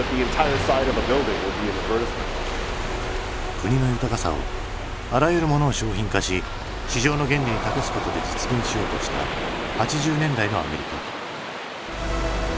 国の豊かさをあらゆるものを商品化し市場の原理に託すことで実現しようとした８０年代のアメリカ。